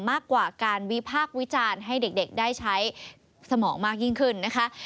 มากกว่าการวิพากษ์วิจารณ์ให้เด็กได้ใช้สมองมากยิ่งขึ้นนะคะ